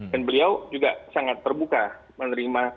dan beliau juga sangat terbuka menerima